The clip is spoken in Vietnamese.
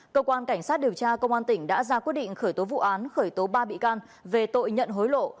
cơ quan cảnh sát điều tra công an tỉnh đã ra quyết định khởi tố vụ án khởi tố ba bị can về tội nhận hối lộ